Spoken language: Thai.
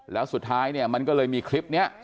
แล้วสุดท้ายเนี่ยมันก็เลยมีคลิปนี้